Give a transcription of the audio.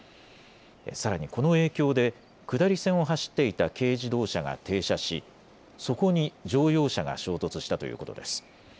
さらにこの影響で下り線を走っていた軽自動車が停車しそこに乗用車が衝突したということです。